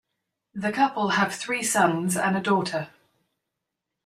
The couple have three sons and a daughter.